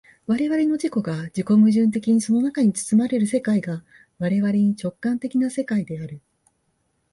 我々の自己が自己矛盾的にその中に包まれる世界が我々に直観的な世界である。